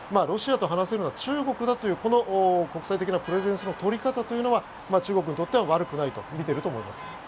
ロシアと話せるのは中国だという国際的なプレゼンスの取り方は中国にとっては悪くないと見ていると思います。